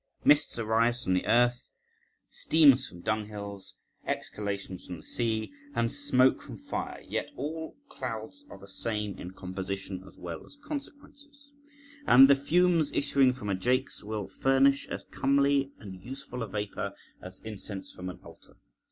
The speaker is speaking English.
Mists arise from the earth, steams from dunghills, exhalations from the sea, and smoke from fire; yet all clouds are the same in composition as well as consequences, and the fumes issuing from a jakes will furnish as comely and useful a vapour as incense from an altar.